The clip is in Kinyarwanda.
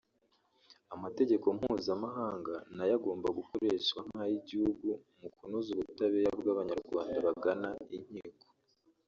Amategeko mpuzamahanga na yo agomba gukoreshwa nk’ay’igihugu mu kunoza ubutabera bw’abanyarwanda bagana inkiko